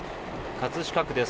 葛飾区です。